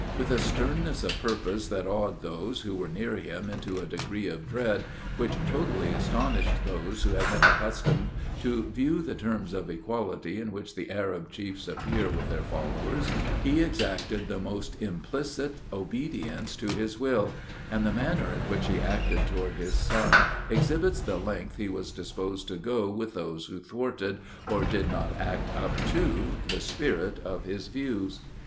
With a sternness of purpose that awed those who were near him into a degree of dread, which totally astonished those who had been accustomed to view the terms of equality in which the Arab chiefs appear with their followers, he exacted the most implicit obedience to his will; and the manner in which he acted toward his son exhibits the length he was disposed to go with those who thwarted, or did not act up to, the spirit of his views.